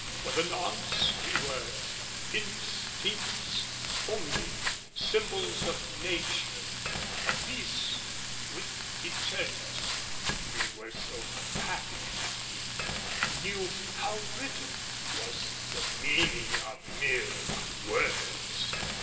For the nonce we were instincts only, symbols of nature, apiece with eternity. We were so happy that we knew how little was the meaning of mere words.